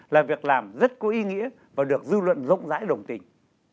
là việc làm rất có ý nghĩa và được dư luận rộng rãi đồng tình